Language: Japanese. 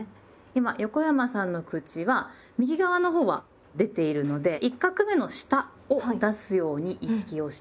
今横山さんの口は右側のほうは出ているので１画目の下を出すように意識をしてみて下さい。